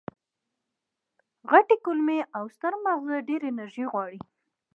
غټې کولمې او ستر ماغز ډېره انرژي غواړي.